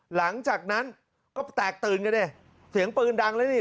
หลังจากนั้นก็แตกตื่นกันดิเสียงปืนดังแล้วนี่